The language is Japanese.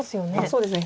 そうですね。